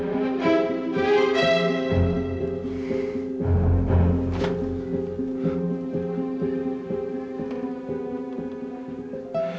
anjung eduk berhenti